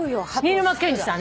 新沼謙治さん。